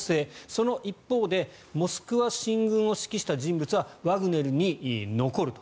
その一方でモスクワ進軍を指揮した人物はワグネルに残ると。